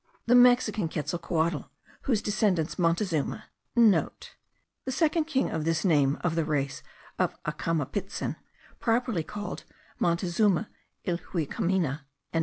The Mexican Quetzalcohuatl, whose descendants Montezuma* (* The second king of this name, of the race of Acamapitzin, properly called Montezuma Ilhuicamina.)